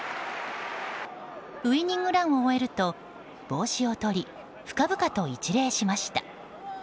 ウィニングランを終えると帽子を取り、深々と一礼しました。